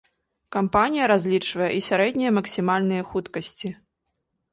Кампанія разлічвае і сярэднія максімальныя хуткасці.